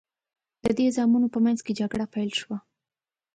د دې زامنو په منځ کې جګړه پیل شوه.